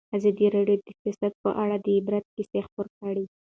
ازادي راډیو د سیاست په اړه د عبرت کیسې خبر کړي.